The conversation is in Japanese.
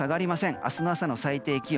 明日の朝の最低気温